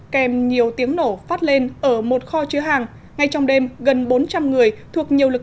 kèm nhiều tiếng nổ phát lên ở một kho chứa hàng ngay trong đêm gần bốn trăm linh người thuộc nhiều lực